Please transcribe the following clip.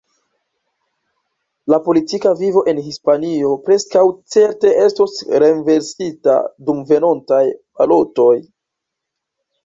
La politika vivo en Hispanio preskaŭ certe estos renversita dum venontaj balotoj.